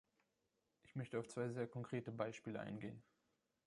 Ich möchte auf zwei sehr konkrete Beispiele eingehen.